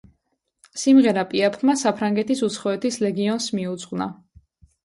სიმღერა პიაფმა საფრანგეთის უცხოეთის ლეგიონს მიუძღვნა.